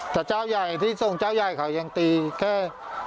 แต่เจ้าใหญ่ที่ทรงเจ้าใหญ่เขายังตีแค่